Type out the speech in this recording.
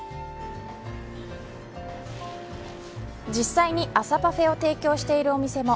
実際に、朝パフェを提供しているお店も。